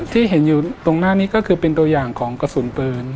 ที่เห็นอยู่ตรงหน้านี้ก็คือเป็นตัวอย่างของกระสุนปืน